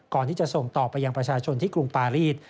ก่อนที่จะส่งต่อไปยังประชาชนที่กรุงปารีส